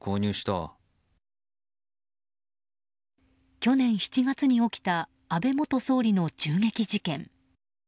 去年７月に起きた安倍元総理の銃撃事件。